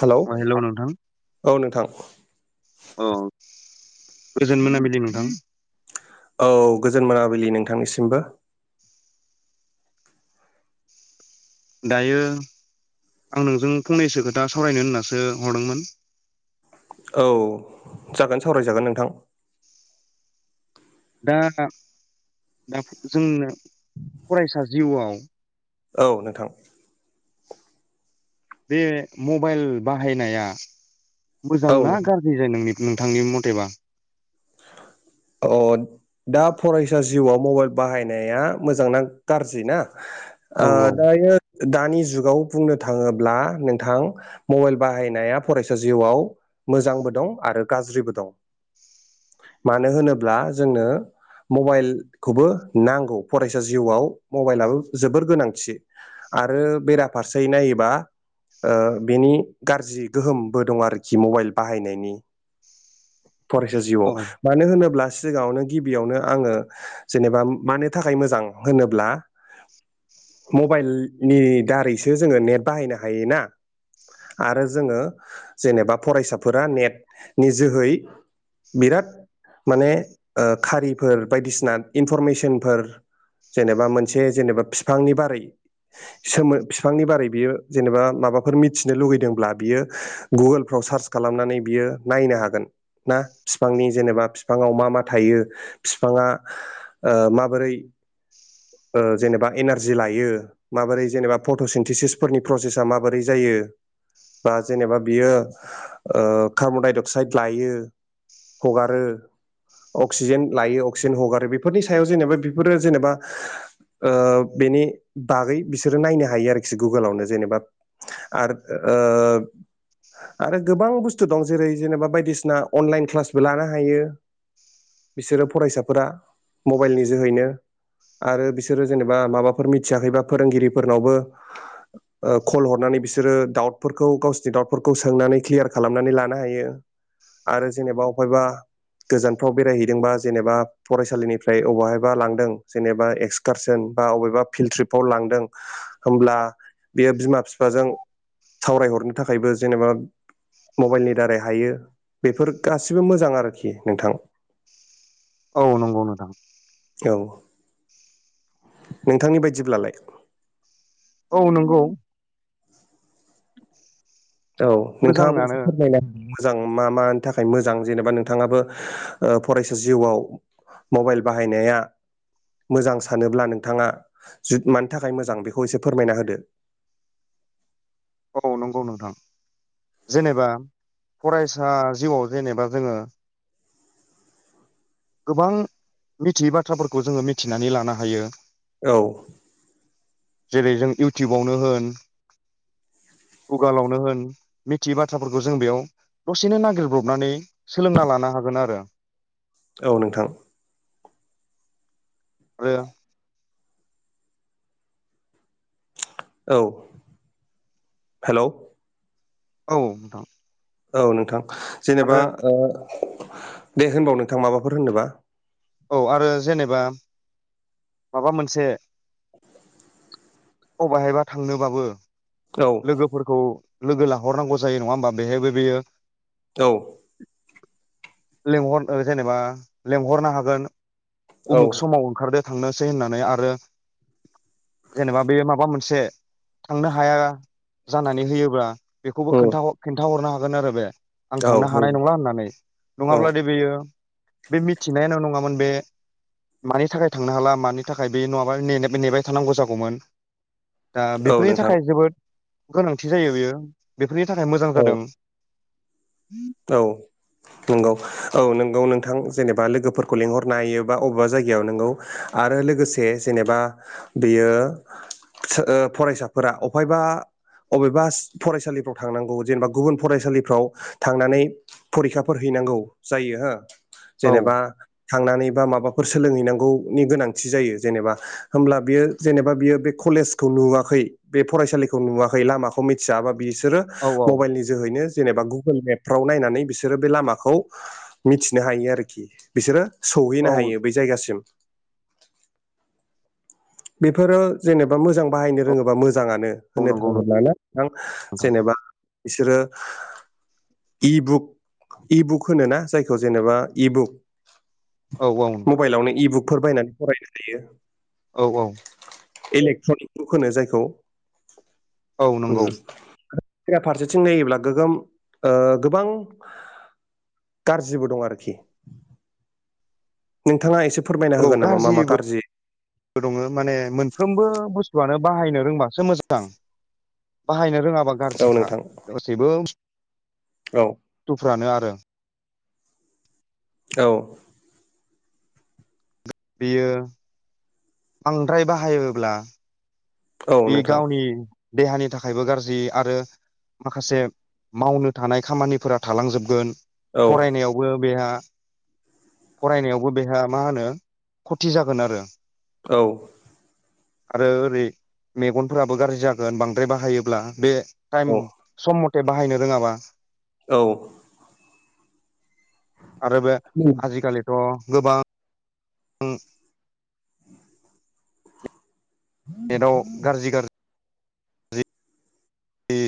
Hello अ नोंथां औ नोंथां अ गोजोन मोनाबिलि नोंथां औ गोजोन मोनाबिलि नोंथांनिसिमबो दायो आं नोंजों फंनैसो खोथा सावरायनो होननासो हरदोंमोन औ जागोन सावरायजागोन नोंथां दा दा जोंनो फरायसा जिउआव औ नोंथां बे मबाइल बाहायनाया औ मोजांना नोंथां गार [unintelligible] नोंनि नोंथांनि मथेबा अ दा फरायसा जिउआव मबाइल बाहायनाया मोजांना गाज्रि ना औ ओ औ दायो दानि जुगाव बुंनो थाङोब्ला नोंथां मबाइल बाहायनाया फरायसा जिउआव मोजांबो दं आरो गाज्रिबो दं मानो होनोब्ला जोंनो मबाइलखौबो नांगौ फरायसा जिउआव मबाइलाबो जोबोर गोनांथि आरो बेराफारसे नायोबा ओ बेनि गाज्रि गोहोमबो दं आरोखि मबाइल बाहायनायनि फरायसा औ जिउआव मानो होनोब्ला सिगाङावनो गिबियावनो आङो जेनेबा मानो थाखाय मोजां होनोब्ला मबाइलनि दारैसो जोङो नेट बाहायनो हायो ना आरो जोङो जेनेबा फरायसाफोरा नेट नि जोहै बिराद माने खारिफोर बायदिसिना इनफरमेसनफोर जेनेबा मोनसे जेनेबा बिफांनि बारै सोमो बिफांनि बारै बियो जेनेबा माबाफोर मिथिनो लुगैदोंब्ला बियो गुगोलफ्राव सार्च खालामनानै बियो नायनो हागोन ना बिफांनि जेनेबा फिफाङाव मा मा थायो बिफाङा ओ माबोरै ओ जेनेबा एनारजि लायो माबोरै जेनेबा फट'सिनथेसिसफोरनि प्रसेसा माबोरै जायो बा जेनेबा बियो ओ कार्बनडाइ अक्साइद लायो हगारो अक्सिजेन लायो अक्सिजेन हगारो बेफोरनि सायाव जेनेबा बेफोरो जेनेबा ओ बेनि बागै बिसोरो नायनो हायो आरोखि गुगोलावनो जेनेबा आरो ओ आरो गोबां बुस्थु दं जेरै जेनेबा बायदिसिना अनलाइन क्लासबो लानो हायो बिसोरो फरायसाफोरा मबाइलनि जोहैनो आरो बिसोरो जेनेबा माबाफोर मिथियाखैबा फोरोंगिरि फोरनावबो ओ कल हरनानै बिसोरो दाउटफोरखौ गावसोरनि डाउटफोरखौ सोंनानै क्लियार खालामनानै लानो हायो आरो जेनेबा अफायबा गोजानफ्राव बेरायहैदोंबा जेनेबा फरायसालिनिफ्राय अबेहायबा लांदों जेनेबा एक्सकारसन बा बबेबा फिल्ड ट्रिपाव लांदों होनब्ला बेयो बिमा बिफाजों सावरायहरनो थाखायबो जेनेबा मबाइलनि दारै हायो बेफोर गासिबो मोजां आरोखि नोंथां औ नंगौ नोंथां औ नोंथांनि बायदिब्लालाय औ नंगौ औ नोंथांङाबो एसे मोजाङानो फोरमायनो हागोन। मोजां मा मानि थाखाय मोजां जेनेबा नोंथांङाबो फरायसा जिउआव मबाइल बाहायनाया मोजां सानोब्ला नोंथांङा मानि थाखाय मोजां बेखौ एसे फोरमायना होदो। औ नंगौ नोंथां जेनेबा फरायसा जिउआव जेनेबा जोंङो गोबां मिथियै बाथ्राफोरखौ जोंङो मिथिनानै लानो हायो। औ जेरै जों इउटुबावनो होन गुगालावनो होन मिथियै बाथ्राफोरखौ जों बेयाव दसेनो नागिरब्रबनानै सोलोंना लानो हागोन आरो। औ नोंथां। आरो औ हेलौ औ नोंथां औ नोंथां जेनेबा आरो दे होनबाव नोंथां माबाफोर होननोबा औ आरो जेनेबा माबा मोनसे अबहायबा थांनोबाबो औ लोगोफोरखौ लोगो लाहरनांगौ जायो नङा होमबा बेहायबो बेयो औ लेंहर जेनेबा लेंहरनो हागोन। औ उमुख समाव ओंखारदो थांनोसै होननानै आरो जेनेबा बे माबा मोनसे थांनो हाया जानानै होयोब्ला बेखौबो उम खोन्था खोन्थाहरनो हागोन आरो बे आं औ थांनो नंगौ हानाय नंला होननानै औ नङाब्ला दि बेयो बे मिथिनायानो नङामोन बे मानि थाखाय थांनो हाला मानि थाखाय बे नङाबा ने नेबाय थानांगौ जागौमोन। दा औ बेफोरनि नोंथां थाखाय जोबोद गोनांथि जायो बेयो बेफोरनि थाखाय मोजां औ जादों। औ नोंगौ औ नोंगौ नोंथां जेनेबा लोगोफोरखौ लिंहरनो हायोबा अबेबा जायगायाव नोंगौ। आरो लोगोसे जेनेबा बेयो फरायसाफोरा अफायबा अबेबा फरायसालिफ्राव थांनांगौ जेनेबा गुबुन फरायसालिफ्राव थांनानै फरिखाफोर हैनांगौ जायो हो औ जेनेबा थांनानै बा माबाफोर सोलोंहैनांगौनि गोनांथि जायो जेनेबा होमब्ला बियो जेनेबा बियो बे कलेजखौ नुवाखै बे फरायसालिखौ नुवाखै लामाखौ मिथिया बा बिसोर औ औ मबाइलनि जोहैनो जेनेबा गुगोल मेप फ्राव नायनानै बिसोरो बे लामाखौ मिथिनो हायो आरोखि बिसोरो औ सौहैनो हायो ब जायगासिम बेफोरो जेनेबा मोजां बाहायनो रोङोबा मोजाङानो औ होननो नंगौ थाङोब्ला ना नोंथां नोंथां जेनेबा बिसोरो इबुक इबुक होनोना जायखौ जेनेबा इबुक औ औ मबाइलावनो इबुकफोर बायनानै फरायनो हायो। औ-औ इलेक्ट्रनिक बुक होनो जायखौ औ नंगौ बेरा फारसेथिं नायोब्ला गोगोम गोबां गारजिबो दं आरोखि नोंथाङा एसे फोरमायना औ होगोन नामा मा मा गाज्रिबो गाज्रि दङ माने मोनफ्रोमबो बुस्थुआनो बाहायनो रोंबासो मोजां बाहायनो रोङाबा औ गारजिखा नोंथां गासैबो। औ बुस्थुफ्रानो आरो। औ बियो बांद्राय बाहायोब्ला औ बेयो नोंथां गावनि देहानि थाखायबो गारजि आरो माखासे मावनो थानाय खामानिफोरा थालांजोबगोन औ फरायनायाव बो बेहा फरायनायावबो बेहा मा होनो खथि जागोन आरो। औ आरो ओरै मेगनफोराबो गाज्रि जागोन बांद्राय बाहायोब्ला बे टाइम सम मथे बाहायनो रोङाबा। औ आरो बे औ आजिखालिथ' गोबां उम नेटआव गाज्रि गा गाज्रि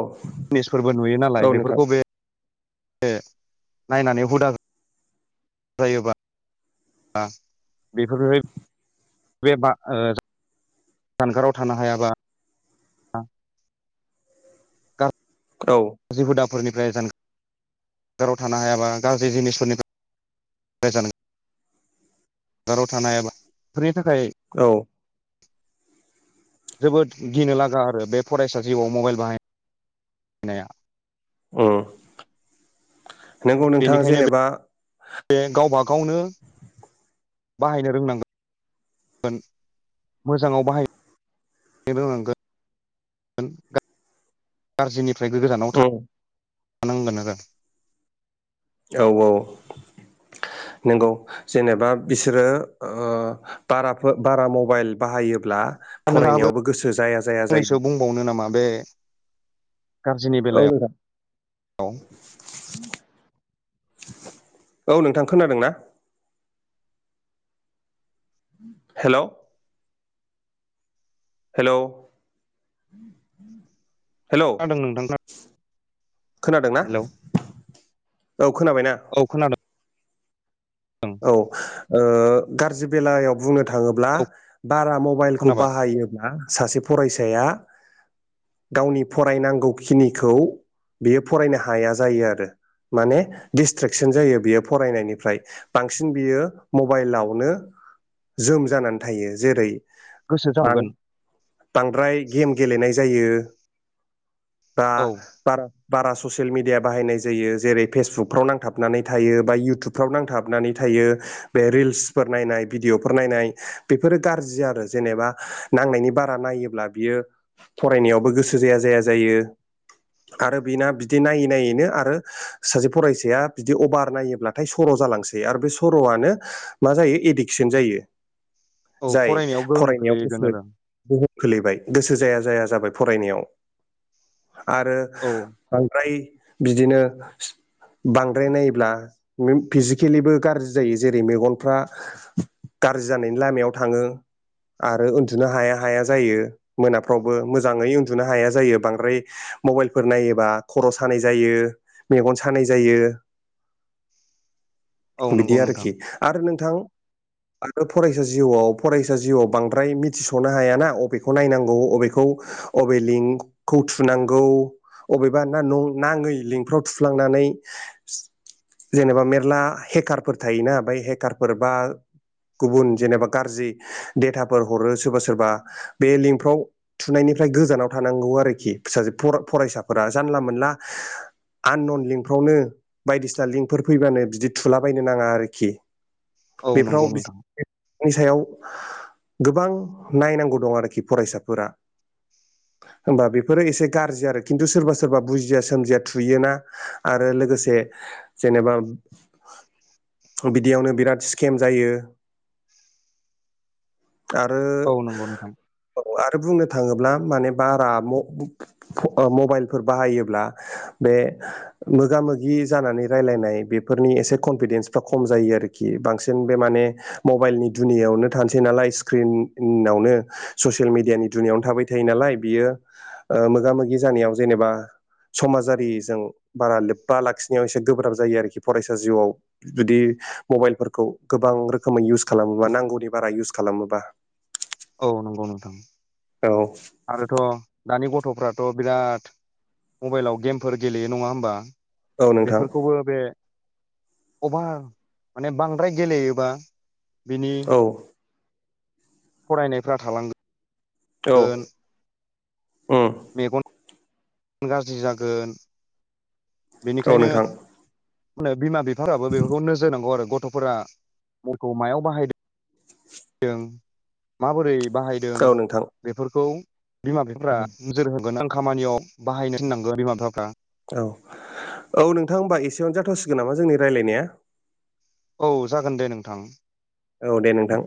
औ नुयो औ नालाय नोंथां बेफोरखौ बे ओ नायनानै हुदा जायोबा बा बेफोर बे बबा ओ [unintelligible] जानगाराव थानो हायाबा? औ गाज्रि हुदाफोरनिफ्राय जान जानगाराव थानो हायाबा गाज्रि जिनिसफोरनि गोजान जानगाराव थानाय बेफोरनि थाखाय [unintelligible] औ जोबोद गिनो लागा आरो बे फरायसा जिउआव मबाइल [unintelligible] बाहायनाया उम नंगौ नोंथां बेनिखायनो जेनेबा बे गावबा गावनो बाहायनो रोंनांगोन। रोंनांगोन मोजाङाव बाहायनो रोंनांगोन। [unintelligible] गाज्रिनिफ्राय गोजानाव उम थांनांगोन आरो। औ औ नंगौ। जेनेबा बिसोरो ओ बाराफोर बारा मबाइल बाहायोब्ला दा नोंथाङाबो फरायनायावबो गोसो जाया जाया जायो फंनैसो बुंबावनो नामा बे गाज्रिनि औ बेलायाव नोंथां [unintelligible] औ नोंथां खोनादोंना? हेलौ हेलौ हेलौ खोनादों नोंथां [unintelligible] खोनादोंना हेलौ औ खोनाबायना? औ खोनादों। औ ओ गाज्रि बेलायाव बुंनो थाङोब्ला औ बारा मबाइलखौ खोनाबाय बाहायो बा सासे फरायसाया गावनि फरायनांगौखिनिखौ बियो फरायनो हाया जायो आरो माने डिसट्रेकसन जायो बियो फरायनायनिफ्राय। बांसिन बियो मबाइलावनो जोम जानानै थायो जेरै गोसो बां जाहोगोन बांद्राय गेम गेलेनाय जायो। बा औ बार बारा ससियेल मिडिया बाहायनाय जायो जेरै फेसबुकफ्राव नांथाबनानै थायो बा इयउटुबफ्राव नांथाब नानै थायो बे रिल्सफोर नायनाय भिडिअफोर नायनाय। बेफोरो गाज्रि आरो जेनेबा नांनायनि बारा नायोब्ला बियो फरायनायावबो गोसो जाया जाया जायो। आरो बिना बिदि नायै नायैनो आरो सासे फरायसाया बिदि अभार नायोब्लाथाय सर' जालांसै आरो बे सर'आनो मा जायो एडिकसन जायो। औ जाय फरायनायाव गोहोम फरायनायाव खोलैगोन गोसो आरो गोहोम खोलैबाय गोसो जाया जाया जाबाय फरायनायाव आरो औ बांद्राय बिदिनो बांद्राय नायोब्ला फिजि केलिबो गाज्रि जायो जेरै मेगनफ्रा गाज्रि जानायनि लामायाव थाङो। आरो उन्दुनो हाया हाया जायो मोनाफ्रावबो मोजाङै उन्दुनो हाया जायो बांद्राय मबाइलफोर नायोबा खर' सानाय जायो मेगन सानाय जायो। औ नंगौ बिदि नोंथां आरोखि आरो नोंथां आरो फरायसा जिउआव फरायसा जिउआव बांद्राय मिथिस'नो हायाना अबेखौ नायनांगौ अबेखौ अबे लिंखौ थुनांगौ अबेबा ना न नाङै लिंफ्राव थुफ्लांनानै जेनेबा मे ना हेकारफोर थायोना बे हेकारफोर बा गुबुन जेनेबा गाज्रि डेटाफोर हरो सोरबा सोरबा बे लिंकफ्राव थुनायनिफ्राय गोजानाव थानांगौ आरोखि फिासे फरायसाफोरा जानला मोनला आननन लिंकफ्रावनो बायदिसिना लिंकफोर फैबानो जि थुलाबायनो नाङा आरोखि औ नंगौ बेफोराव बि नोंथां नि सायाव गोबां नायनांगौ दं आरोखि फरायसाफोरा होमबा बेफोरो एसे गाज्रि आरो खिन्थु सोरबा सोरबा बुजिया सोमजिया थुयोना आरो लोगोसे जेनेबा बिदियावनो बिराद स्केम जायो आरो औ नंगौ नोंथां औ आरो बुंनो थाङोब्ला माने बारा मबाइलफोर बाहायोब्ला बे मोगा मोगि जानानै रायलायनाय बे फोरनि एसे कनफिदेन्सफ्रा खम जायो आरोखि बांसिन बे माने मबाइलनि दुनियावनो थानोसै नालाय स्क्रिनावनो ससियेल मिडियानि दुनियावनो थाबाय बेनालाय बियो मोगा मोगि जानायाव जेनेबा समाजारिजों बारा लोब्बा लाखिनायाव एसे गोब्राब जायो आरोखि फरायसा जिउआव जुदि मबाइलफोरखौ गोबां रोखोमै इउस खालामोबा नांगौनि बारा इउस खालामोबा औ नंगौ नोंथां औ आरोथ' दानि गथ'फ्राथ' बिराद मबाइलाव गेमफोर गेलेयो नङा होमबा औ नोंथां बेफोरखौबो बे अभार माने बांद्राय गेलेयोबा बिनि औ फरायनायफ्रा औ थालांगोन उम मेगन गाज्रि जागोन औ बेनिखायनो नोंथां मा बिमा बिफा फोराबो बेफोरखौ नोजोर होनांगौ आरो गथ' फोरा माखौ मायाव बाहायदों माबोरै बाहायदों औ नोंथां बेफोरखौ बिमा बिफाफ्रा नोजोर होगोन आं खामानियाव बाहायनो थनांगोन बिमा बिफाफ्रा औ औ नोंथां हबा एसेयावनो जाथसिगोन नामा जोंनि रायज्लायनाया औ जागोन दे नोंथां औ दे नोंथां